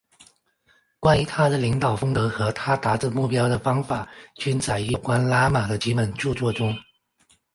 关于他的领导风格和他达至目标的方法均载于有关拉玛的几本着作中。